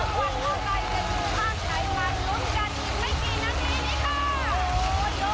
แต่กนนี้แหละ